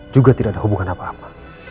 juga tidak ada hubungan apa apa